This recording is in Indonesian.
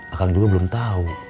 akang juga belum tau